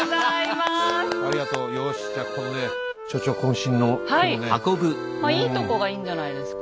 まあいいとこがいいんじゃないんですか。